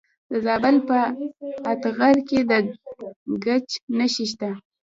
د زابل په اتغر کې د ګچ نښې شته.